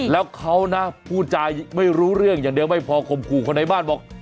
แล้วเขานะพูดจาไม่รู้เรื่องอย่างเดียวไม่พอคมขู่คนในบ้านบอก